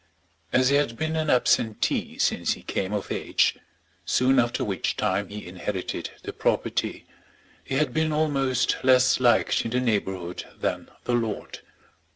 As he had been an absentee since he came of age, soon after which time he inherited the property, he had been almost less liked in the neighbourhood than the lord.